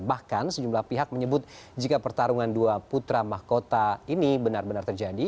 bahkan sejumlah pihak menyebut jika pertarungan dua putra mahkota ini benar benar terjadi